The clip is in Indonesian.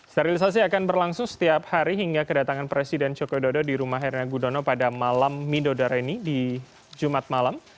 sterilisasi akan berlangsung setiap hari hingga kedatangan presiden joko widodo di rumah herna gudono pada malam midodareni di jumat malam